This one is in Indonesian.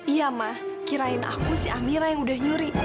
iya ma kirain aku si amira yang udah nyuri